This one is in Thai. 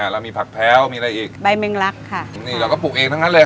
เรามีผักแพ้วมีอะไรอีกใบเมงลักค่ะนี่เราก็ปลูกเองทั้งนั้นเลย